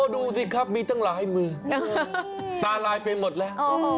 ดูสิครับมีตั้งหลายมือตาลายไปหมดแล้ว